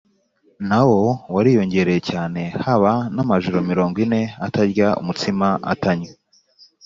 Na wo wariyongereye cyane haba n amajoro mirongo ine atarya umutsima atanywa